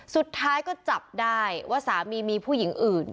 สุดท้ายก็จับได้ว่าสามีมีผู้หญิงอื่น